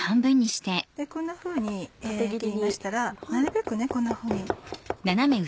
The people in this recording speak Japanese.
こんなふうに切りましたらなるべくこんなふうに。